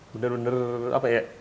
bener bener apa ya